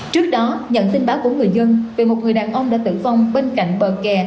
trước đó nhận tin báo của người dân về một người đàn ông đã tử vong bên cạnh bờ kè